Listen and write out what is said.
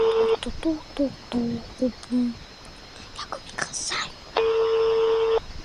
Gitarama is the capital and largest metropolitan area in the district of Muhanga.